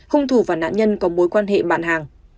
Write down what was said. hung thủ và nạn nhân có mối quan hệ bạn hàng